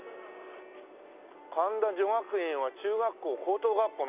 神田女学院は中学校高等学校までだ。